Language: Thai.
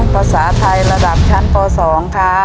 ภาษาไทยระดับชั้นป๒ค่ะ